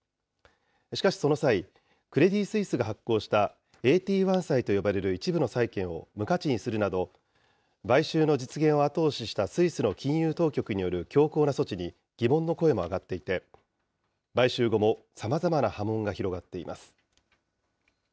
しかしその際、クレディ・スイスが発行したＡＴ１債と呼ばれる一部の債券を無価値にするなど、買収の実現を後押ししたスイスの金融当局による強硬な措置に疑問の声も上がっていて、買収後もさまざまな波紋が広がっています。